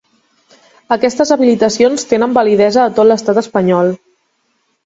Aquestes habilitacions tenen validesa a tot l'Estat espanyol.